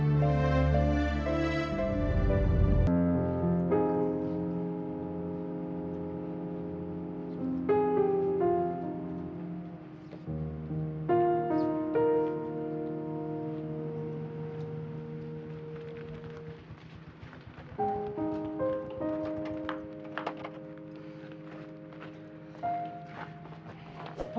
di rumah anak kamu